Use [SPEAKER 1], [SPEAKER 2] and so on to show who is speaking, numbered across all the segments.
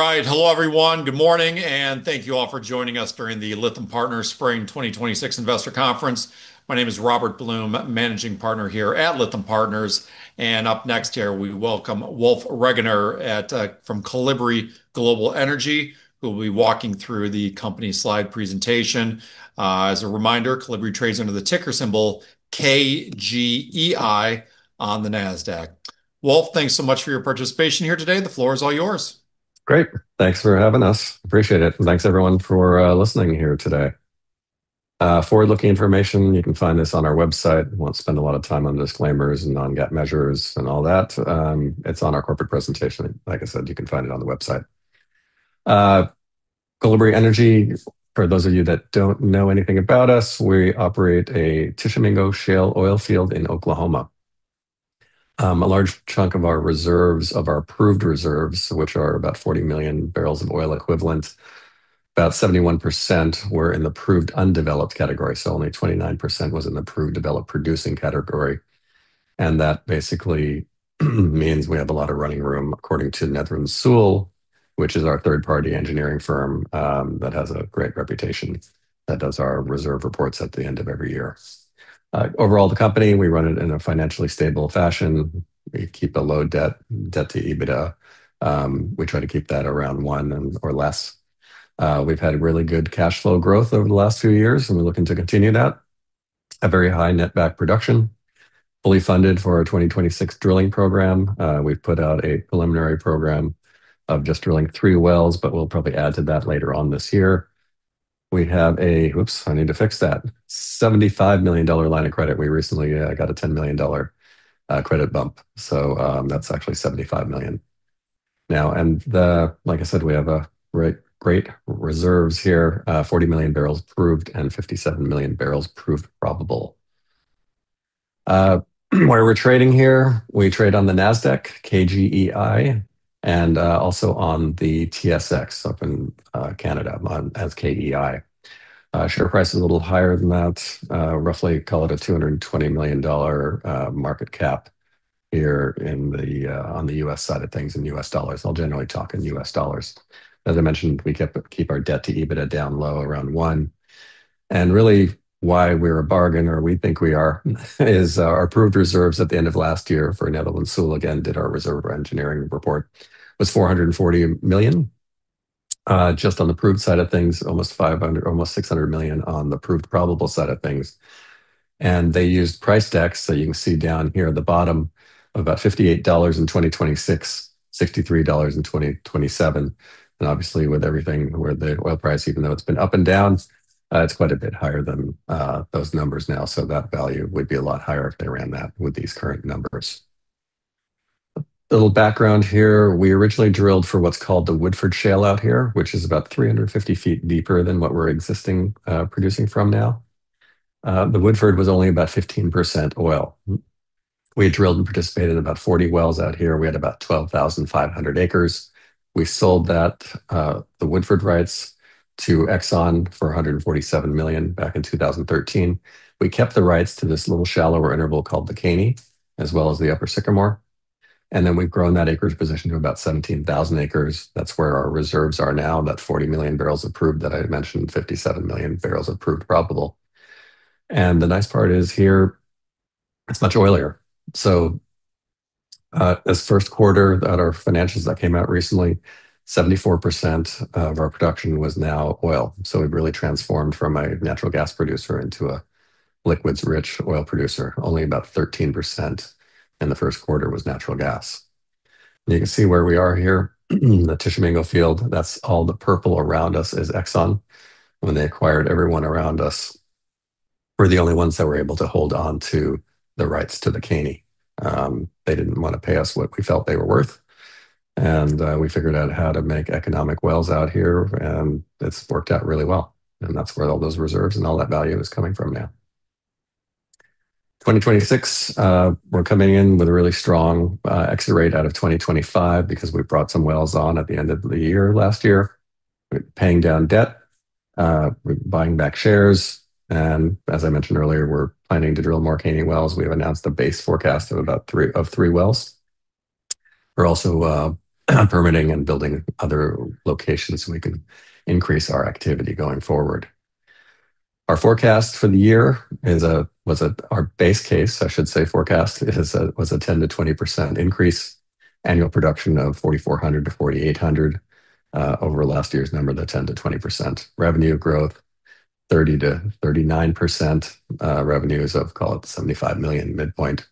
[SPEAKER 1] All right. Hello, everyone. Good morning, and thank you all for joining us during the Lytham Partners Spring 2026 Investor Conference. My name is Robert Blum, managing partner here at Lytham Partners, and up next here, we welcome Wolf Regener from Kolibri Global Energy, who will be walking through the company slide presentation. As a reminder, Kolibri trades under the ticker symbol KGEI on the Nasdaq. Wolf, thanks so much for your participation here today. The floor is all yours.
[SPEAKER 2] Great. Thanks for having us. Appreciate it. Thanks, everyone, for listening here today. Forward-looking information, you can find this on our website. I won't spend a lot of time on disclaimers and non-GAAP measures and all that. It's on our corporate presentation. Like I said, you can find it on the website. Kolibri Global Energy, for those of you that don't know anything about us, we operate a Tishomingo Shale oil field in Oklahoma. A large chunk of our reserves, of our proved reserves, which are about 40 million barrels of oil equivalent, about 71% were in the Proved Undeveloped category. Only 29% was in the Proved Developed Producing category. That basically means we have a lot of running room according to Netherland, Sewell & Associates, Inc., which is our third-party engineering firm that has a great reputation, that does our reserve reports at the end of every year. Overall, the company, we run it in a financially stable fashion. We keep a low debt to EBITDA. We try to keep that around one and or less. We've had really good cash flow growth over the last few years, and we're looking to continue that. A very high netback production. Fully funded for our 2026 drilling program. We've put out a preliminary program of just drilling three wells, but we'll probably add to that later on this year. We have, Oops, I need to fix that, a $75 million line of credit. We recently got a $10 million credit bump, so that's actually $75 million now. Like I said, we have great reserves here. 40 million barrels proved and 57 million barrels proved probable. Where we're trading here, we trade on the Nasdaq, KGEI, and, also on the TSX up in Canada as KEI. Share price is a little higher than that. Roughly call it a $220 million market cap here on the U.S. side of things in U.S. dollars. I'll generally talk in U.S. dollars. As I mentioned, we keep our debt to EBITDA down low around one. Really why we're a bargain, or we think we are, is our proved reserves at the end of last year for Netherland, Sewell, again, did our reserve engineering report, was $440 million, just on the proved side of things. Almost $600 million on the proved probable side of things. They used price decks, so you can see down here at the bottom of about $58 in 2026, $63 in 2027. Obviously with everything where the oil price, even though it's been up and down, it's quite a bit higher than those numbers now. That value would be a lot higher if they ran that with these current numbers. A little background here. We originally drilled for what's called the Woodford Shale out here, which is about 350 feet deeper than what we're existing, producing from now. The Woodford was only about 15% oil. We had drilled and participated in about 40 wells out here. We had about 12,500 acres. We sold that, the Woodford rights to Exxon for $147 million back in 2013. We kept the rights to this little shallower interval called the Caney, as well as the Upper Sycamore. We've grown that acreage position to about 17,000 acres. That's where our reserves are now, that 40 million bbl of proved that I had mentioned, 57 million bbl of proved probable. The nice part is here, it's much oilier. This first quarter that our financials that came out recently, 74% of our production was now oil. We've really transformed from a natural gas producer into a liquids-rich oil producer. Only about 13% in the first quarter was natural gas. You can see where we are here, the Tishomingo Field, that's all the purple around us is Exxon. When they acquired everyone around us, we're the only ones that were able to hold on to the rights to the Caney. They didn't want to pay us what we felt they were worth. We figured out how to make economic wells out here, and it's worked out really well. That's where all those reserves and all that value is coming from now. 2026, we're coming in with a really strong exit rate out of 2025 because we brought some wells on at the end of the year last year. We're paying down debt. We're buying back shares. As I mentioned earlier, we're planning to drill more Caney wells. We have announced a base forecast of three wells. We're also permitting and building other locations so we can increase our activity going forward. Our forecast for the year is, our base case, I should say, forecast was a 10%-20% increase annual production of 4,400-4,800, over last year's number, that 10%-20% revenue growth, 30%-39%, revenues of, call it, $75 million midpoint.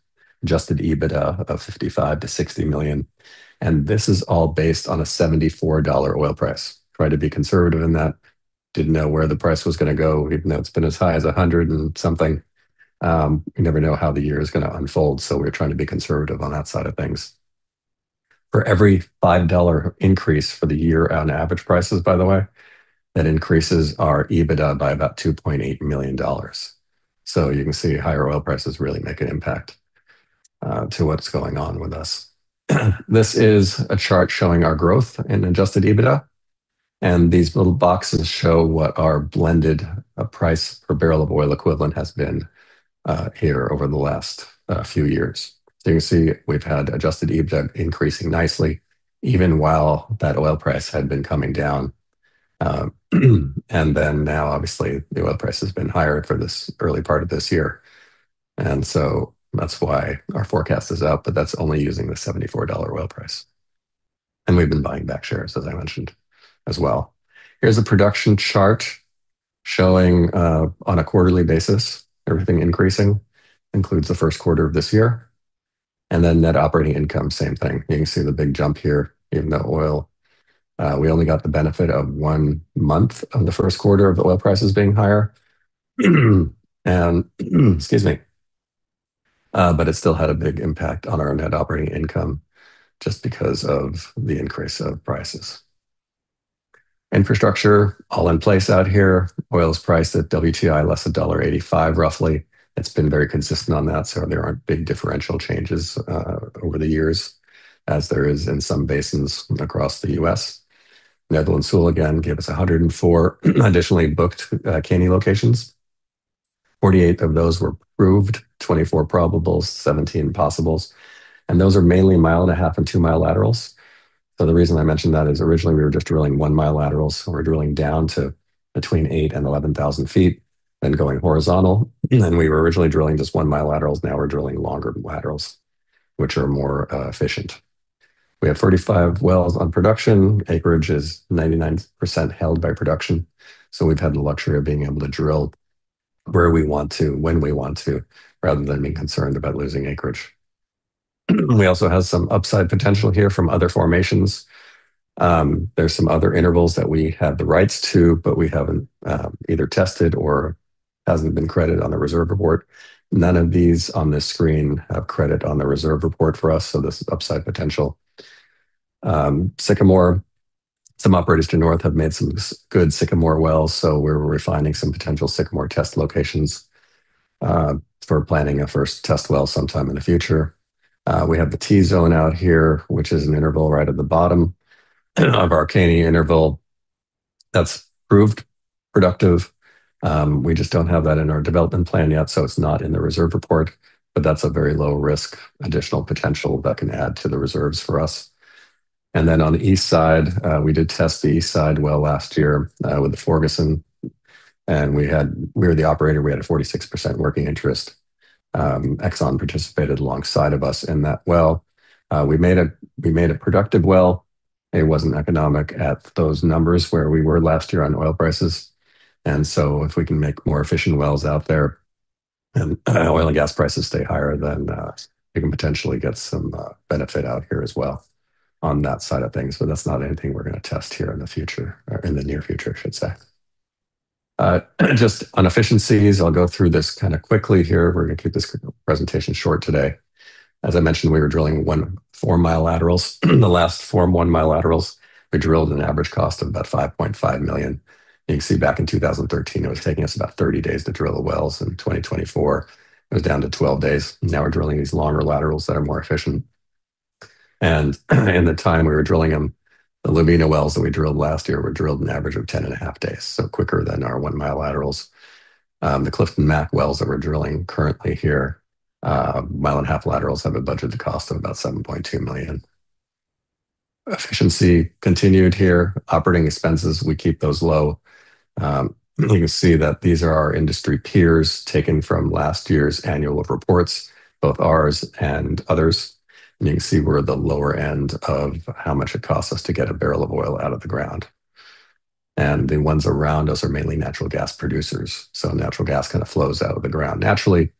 [SPEAKER 2] Adjusted EBITDA of $55 million-$60 million. This is all based on a $74 oil price. Tried to be conservative in that. Didn't know where the price was going to go, even though it's been as high as 100 and something. You never know how the year is going to unfold, so we're trying to be conservative on that side of things. For every $5 increase for the year on average prices, by the way, that increases our EBITDA by about $2.8 million. You can see higher oil prices really make an impact to what's going on with us. This is a chart showing our growth in adjusted EBITDA. These little boxes show what our blended price per barrel of oil equivalent has been here over the last few years. You can see we've had adjusted EBITDA increasing nicely even while that oil price had been coming down. Obviously the oil price has been higher for this early part of this year, that's why our forecast is up, but that's only using the $74 oil price. We've been buying back shares, as I mentioned as well. Here's a production chart showing, on a quarterly basis, everything increasing. Includes the first quarter of this year. Net operating income, same thing. You can see the big jump here even though oil, we only got the benefit of one month of the first quarter of the oil prices being higher. Excuse me. It still had a big impact on our net operating income just because of the increase of prices. Infrastructure all in place out here. Oil is priced at WTI less $1.85 roughly. It's been very consistent on that, so there aren't big differential changes over the years as there is in some basins across the U.S. Netherland, Sewell again gave us 104 additionally booked Caney locations. 48 of those were proved, 24 probables, 17 possibles. Those are mainly a mile and a half and two-mile laterals. The reason I mention that is originally we were just drilling one-mile laterals. We're drilling down to between eight and 11,000 ft, then going horizontal. We were originally drilling just one-mile laterals. Now we're drilling longer laterals, which are more efficient. We have 35 wells on production. Acreage is 99% held by production. We've had the luxury of being able to drill where we want to, when we want to, rather than being concerned about losing acreage. We also have some upside potential here from other formations. There's some other intervals that we have the rights to, but we haven't either tested or hasn't been credited on the reserve report. None of these on this screen have credit on the reserve report for us. There's upside potential. Sycamore, some operators to north have made some good Sycamore wells. We're refining some potential Sycamore test locations, for planning a first test well sometime in the future. We have the T-zone out here, which is an interval right at the bottom of our Caney interval that's proved productive. We just don't have that in our development plan yet. It's not in the reserve report. That's a very low risk additional potential that can add to the reserves for us. On the east side, we did test the east side well last year, with the Forguson. We were the operator, we had a 46% working interest. Exxon participated alongside of us in that well. We made a productive well. It wasn't economic at those numbers where we were last year on oil prices. If we can make more efficient wells out there and oil and gas prices stay higher, then, we can potentially get some benefit out here as well on that side of things. That's not anything we're going to test here in the future, or in the near future, I should say. Just on efficiencies, I'll go through this kind of quickly here. We're going to keep this presentation short today. As I mentioned, we were drilling one-mile laterals. The last four one-mile laterals, we drilled an average cost of about $5.5 million. You can see back in 2013, it was taking us about 30 days to drill the wells. In 2024, it was down to 12 days. Now we're drilling these longer laterals that are more efficient. In the time we were drilling them, the Lovina wells that we drilled last year were drilled an average of 10 and a half days, so quicker than our one-mile laterals. The Clifton Mack wells that we're drilling currently here, a mile and a half laterals, have a budgeted cost of about $7.2 million. Efficiency continued here. Operating expenses, we keep those low. You can see that these are our industry peers taken from last year's annual reports, both ours and others. You can see we're at the lower end of how much it costs us to get a barrel of oil out of the ground. The ones around us are mainly natural gas producers. Natural gas kind of flows out of the ground naturally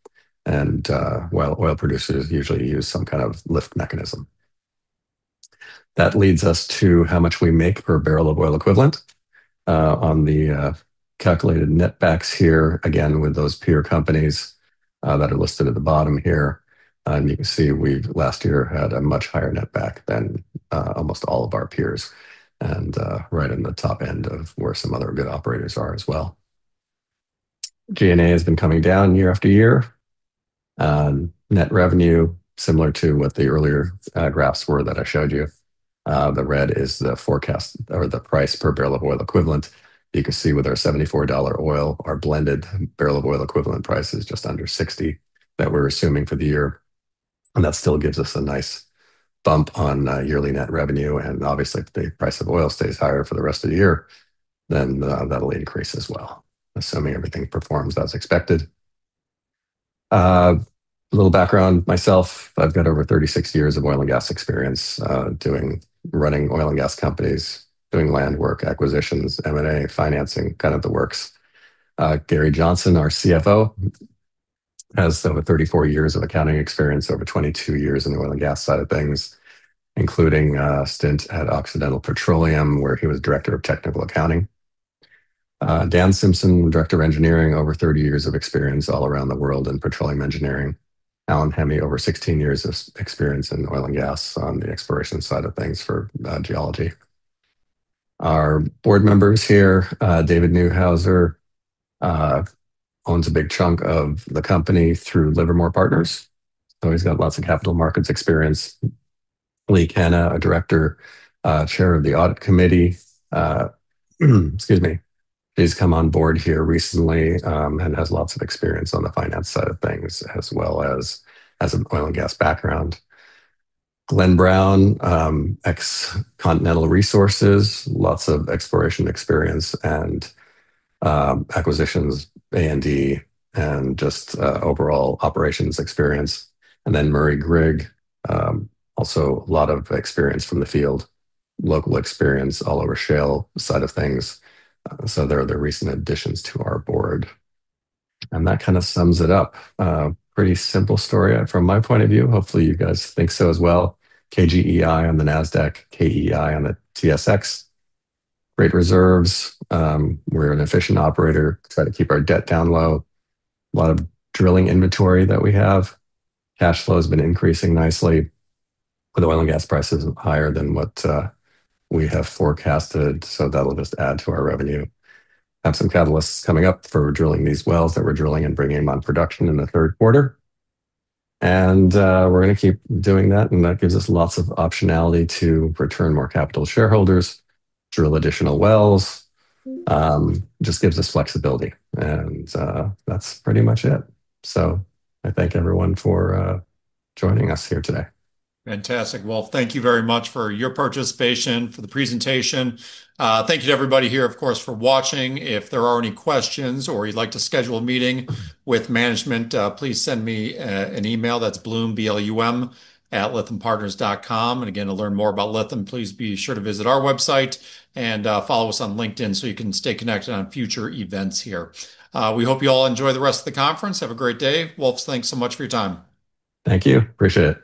[SPEAKER 2] and, while oil producers usually use some kind of lift mechanism. That leads us to how much we make per barrel of oil equivalent, on the calculated netbacks here, again, with those peer companies that are listed at the bottom here. You can see we've last year had a much higher netback than almost all of our peers and right in the top end of where some other good operators are as well. G&A has been coming down year after year. Net revenue, similar to what the earlier graphs were that I showed you. The red is the forecast or the price per barrel of oil equivalent. You can see with our $74 oil, our blended barrel of oil equivalent price is just under $60 that we are assuming for the year. That still gives us a nice bump on yearly net revenue, and obviously, if the price of oil stays higher for the rest of the year, then that will increase as well, assuming everything performs as expected. A little background myself. I have got over 36 years of oil and gas experience, doing, running oil and gas companies, doing land work, acquisitions, M&A, financing, kind of the works. Gary W. Johnson, our CFO, has over 34 years of accounting experience, over 22 years in the oil and gas side of things, including a stint at Occidental Petroleum, where he was Director of Technical Accounting. Dan Simpson, Director of Engineering, over 30 years of experience all around the world in petroleum engineering. Allan Hemmy, over 16 years of experience in oil and gas on the exploration side of things for geology. Our board members here, David Neuhauser owns a big chunk of the company through Livermore Partners, he's got lots of capital markets experience. Lee Canaan, a Director, Chair of the Audit Committee. Excuse me. He's come on board here recently, has lots of experience on the finance side of things as well as an oil and gas background. Glen Brown, ex-Continental Resources, lots of exploration experience and acquisitions, A&D, just overall operations experience. Murray Grigg, also a lot of experience from the field, local experience all over shale side of things. They're the recent additions to our board. That kind of sums it up. Pretty simple story from my point of view. Hopefully, you guys think so as well. KGEI on the Nasdaq, KEI on the TSX. Great reserves. We're an efficient operator, try to keep our debt down low. A lot of drilling inventory that we have. Cash flow has been increasing nicely with oil and gas prices higher than what we have forecasted, that'll just add to our revenue. Have some catalysts coming up for drilling these wells that we're drilling and bringing them on production in the third quarter. We're going to keep doing that, and that gives us lots of optionality to return more capital to shareholders, drill additional wells, just gives us flexibility. That's pretty much it. I thank everyone for joining us here today.
[SPEAKER 1] Fantastic. Well, thank you very much for your participation, for the presentation. Thank you to everybody here, of course, for watching. If there are any questions or you'd like to schedule a meeting with management, please send me an email. That's Blum, B-L-U-M, @lythampartners.com. Again, to learn more about Lytham, please be sure to visit our website and follow us on LinkedIn so you can stay connected on future events here. We hope you all enjoy the rest of the conference. Have a great day. Wolf, thanks so much for your time.
[SPEAKER 2] Thank you. Appreciate it.